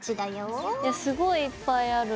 いやすごいいっぱいある。